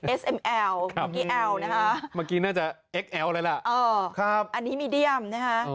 เอสเอ็มแอลพวกี้แอลนะฮะค่ะอันนี้เมเดียมนะฮะ